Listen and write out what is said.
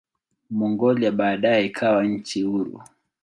Mongolia baadaye ikawa nchi huru.